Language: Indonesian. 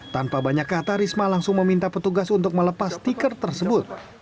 tanpa banyak kata risma langsung meminta petugas untuk melepas stiker tersebut